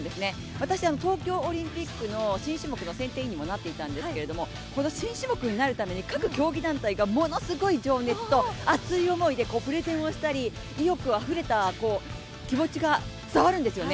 私、東京オリンピックの新種目の選定委員にもなっていたんですけどこの新種目になるために各競技団体がものすごい情熱と熱い思いで、プレゼンをしたり意欲あふれた気持ちが伝わるんですよね。